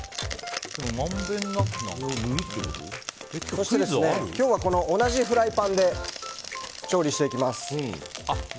そして、今日は同じフライパンで調理していきます。